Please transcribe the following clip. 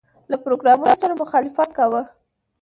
له پروګرامونو سره مخالفت کاوه.